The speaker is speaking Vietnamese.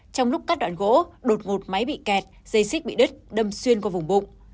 trong lúc cắt đoạn gỗ đột ngột máy bị kẹt dây xích bị đứt đâm xuyên qua vùng bụng